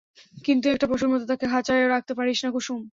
কিন্তু একটা পশুর মতো তাকে খাঁচায়ও রাখতে পারিস না, কুসুম।